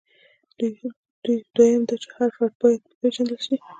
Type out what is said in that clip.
دویم دا چې هر فرد باید وپېژندل شي.